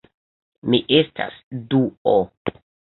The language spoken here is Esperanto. Mi estas Duo